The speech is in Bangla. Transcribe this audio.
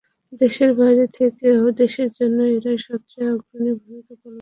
দেশের বাইরে থেকেও দেশের জন্য এরাই সবচেয়ে অগ্রণী ভূমিকা পালন করেন।